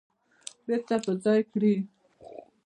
بیرته په ځای کړي